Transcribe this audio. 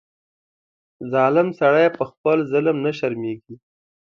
ظالم سړی په خپل ظلم نه شرمېږي.